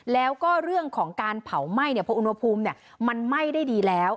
แล้วก็เรื่องของการเผาไหม้เพราะอุณหภูมิมันไหม้ได้ดีแล้ว